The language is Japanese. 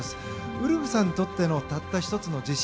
ウルフさんにとってのたった１つの自信